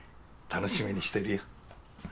楽しみにしてるよ。